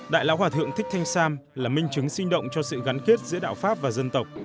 đại lão hòa thượng thích thanh sam là minh chứng sinh động cho sự gắn kết giữa đạo pháp và dân tộc